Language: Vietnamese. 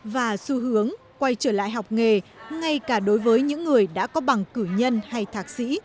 và xu hướng quay trở lại học nghề ngay cả đối với những người đã có bằng cử nhân hay thạc sĩ